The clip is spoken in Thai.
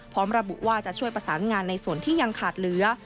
พร้อมระบุว่าจะช่วยประสานงานในส่วนที่ยังขาดเหลือ